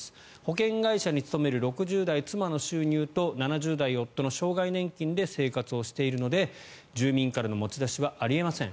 保険会社に勤める６０代妻の収入と、７０代夫の障害年金で生活しているので住民からの持ち出しはありません。